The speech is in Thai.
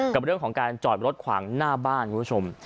กับเรื่องของการจอดรถขวางหน้าบ้านคุณผู้ชม